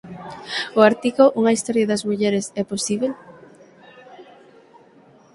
O artigo "Unha historia das mulleres é posíbel?